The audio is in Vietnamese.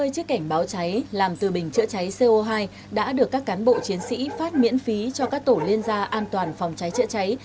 năm mươi chiếc cảnh báo cháy làm từ bình chữa cháy co hai đã được các cán bộ chiến sĩ phát miễn phí cho các tổ liên gia an toàn phòng cháy chữa cháy